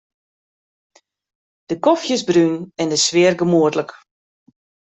De kofje is brún en de sfear gemoedlik.